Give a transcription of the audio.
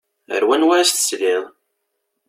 Ar wanwa i s-tesliḍ?